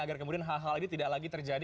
agar kemudian hal hal ini tidak lagi terjadi